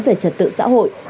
về trật tự xã hội